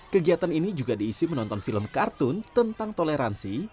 kegiatan ini juga diisi menonton film kartun tentang toleransi